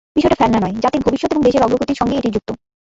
বিষয়টা ফেলনা নয়, জাতির ভবিষ্যৎ এবং দেশের অগ্রগতির সঙ্গেই এটি যুক্ত।